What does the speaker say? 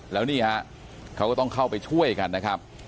แล้วนี่ฮะเขาก็ต้องเข้าไปช่วยกันนะครับ